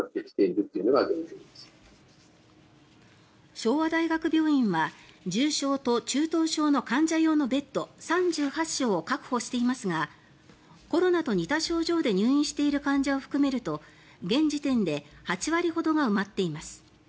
昭和大学病院は重症と中等症の患者用のベッド３８床を確保していますがコロナと似た症状で入院している患者を含めると現時点で８割ほどが埋まっています。